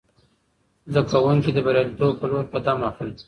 زده کوونکي د بریالیتوب په لور قدم اخلي.